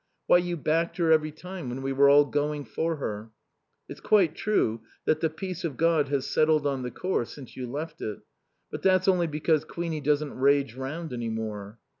Why, you backed her every time when we were all going for her. It's quite true that the peace of God has settled on the Corps since you left it; but that's only because Queenie doesn't rage round any more.